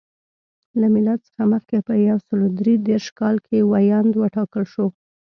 له میلاد څخه مخکې په یو سل درې دېرش کال کې ویاند وټاکل شو.